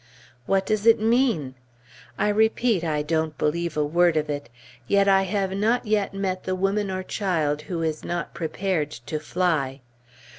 What does it mean? I repeat, I don't believe a word of it; yet I have not yet met the woman or child who is not prepared to fly.